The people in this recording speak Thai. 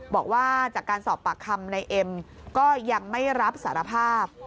บอกว่าจากการสอบปากคำในเอ็มก็ยังไม่รับสารภาพ